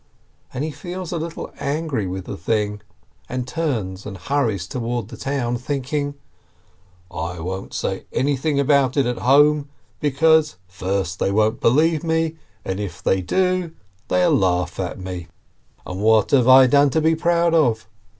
And he feels a little angry with the thing, and turns and hurries toward the town, thinking : "I won't say anything about it at home, because, first, they won't believe me, and if they do, they'll laugh at me. And what have I done to be proud of?